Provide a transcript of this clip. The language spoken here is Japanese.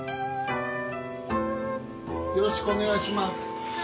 よろしくお願いします。